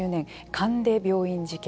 神出病院事件